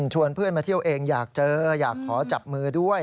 เพื่อนมาเที่ยวเองอยากเจออยากขอจับมือด้วย